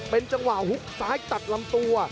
เป็นจังหวะฮุกซ้ายตัดลำตัว